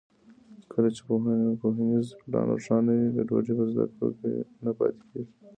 کله چې پوهنیز پلان روښانه وي، ګډوډي په زده کړو کې نه پاتې کېږي.